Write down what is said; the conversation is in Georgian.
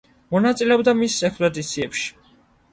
მონაწილეობდა მის ექსპედიციებში.